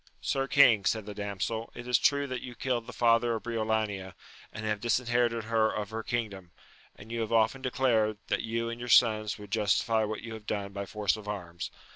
Sir king, said the damsel, it is true that you killed the father of Briolania, and have disherited her of her kingdom ; and you have often declared, that you and your sons would justify what you have done by force of arms.